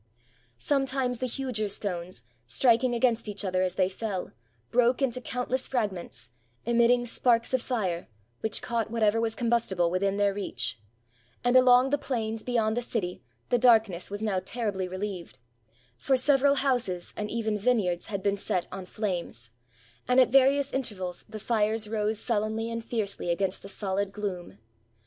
Sometimes the huger stones, striking against each other as they fell, broke into countless fragments, emit ting sparks of fire, which caught whatever was combus tible within their reach; and along the plains beyond the city the darkness was now terribly relieved; for several houses, and even vineyards, had been set on flames; and at various intervals, the fires rose sullenly and fiercely against the solid gloom.